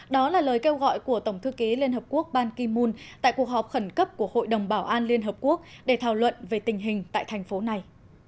đó là lời kêu gọi của tổng thư ký liên hợp quốc ban kim mun tại cuộc họp khẩn cấp của hội đồng bảo an liên hợp quốc để thảo luận về tình hình tại thành phố này